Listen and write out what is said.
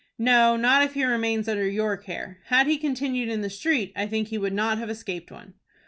"No, not if he remains under your care. Had he continued in the street, I think he would not have escaped one."